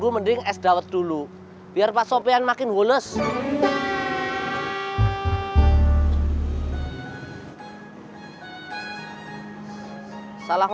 pak xatu perkenalkan sayang